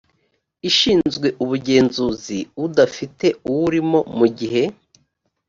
ishinzwe ubugenzuzi udafite uwurimo mu gihe